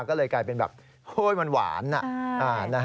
ก็เลยกลายเป็นแบบมันหวาน